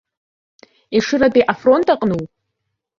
Ешыратәи афронт аҟну?